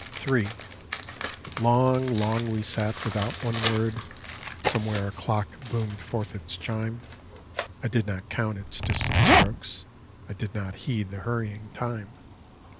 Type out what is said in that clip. A BALLAD III Long, long we sat, without one word; Somewhere a clock boomed forth its chime. I did not count its distant strokes, I did not heed the hurrying time.